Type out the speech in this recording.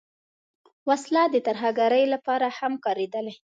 وسله د ترهګرۍ لپاره هم کارېدلې